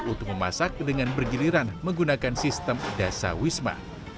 untuk memasak dengan bergiliran menggunakan sistem dasawisma